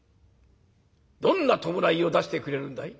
どんな葬式を出してくれるんだい？」。